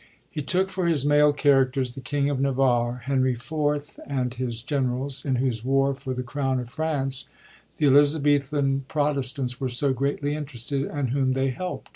He took for his male characters the King of Navarre, Henry IV., and his generals, in whose war for the crown of France the Elizabethan Protestants were so greatly interested, and whom they helpt.